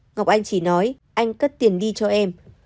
ngọc anh chỉ nói anh cắt tiền đi cho em